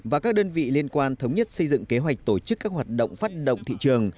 và các đơn vị liên quan thống nhất xây dựng kế hoạch tổ chức các hoạt động phát động thị trường